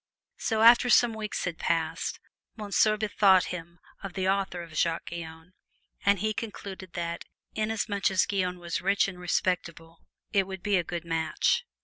So, after some weeks had passed, Monsieur bethought him of the offer of Jacques Guyon, and he concluded that inasmuch as Guyon was rich and respectable it would be a good match.